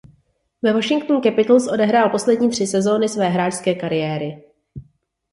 Ve Washingtonu Capitals odehrál poslední tři sezony své hráčské kariéry.